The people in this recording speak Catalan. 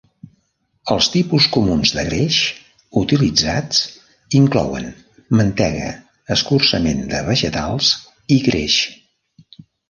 Els tipus comuns de greix utilitzats inclouen mantega, escurçament de vegetals i greix.